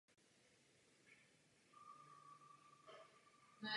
Má nízké protáhlé tělo.